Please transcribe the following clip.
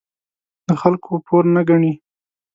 د خلکو پور نه ګڼي.